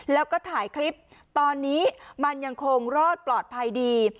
แล้วก็ถ่ายคลิปตอนนี้มันยังคงรอดปลอดภัยดี